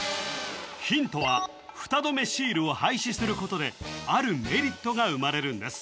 ヒントはフタ止めシールを廃止することであるメリットが生まれるんです